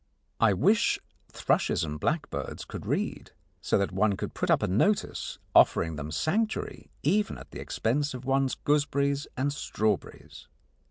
I wish thrushes and blackbirds could read, so that one could put up a notice offering them sanctuary even at the expense of one's gooseberries and strawberries.